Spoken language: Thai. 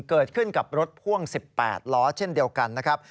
เกิดขึ้นกับรถพ่วง๑๘ล้อเช่นเดียวกันนะครับ